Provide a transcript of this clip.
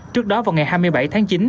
trước đó vào ngày hai mươi bảy tháng chín